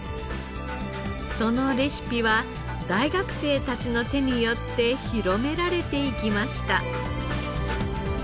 そのレシピは大学生たちの手によって広められていきました。